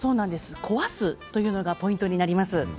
壊すというのがポイントになります。